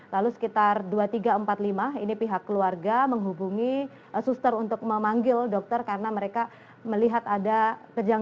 lalu sekitar dua puluh tiga dua puluh empat ini dokter bergeser ke kamar berikutnya untuk memeriksa pasien lain